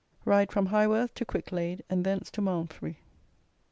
RIDE FROM HIGHWORTH TO CRICKLADE AND THENCE TO MALMSBURY.